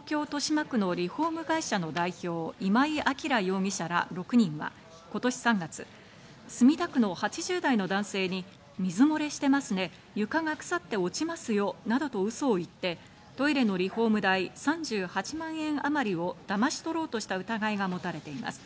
警視庁によりますと、東京・豊島区のリフォーム会社の代表・今井明容疑者ら６人は今年３月、墨田区の８０代の男性に水漏れしてますね、床が腐って落ちますよなどとうそを言って、トイレのリフォーム代、３８万円あまりをだまし取ろうとした疑いが持たれています。